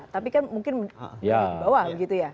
tapi kan mungkin di bawah begitu ya